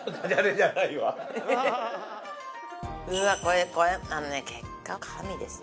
うわこれこれ結果神ですよ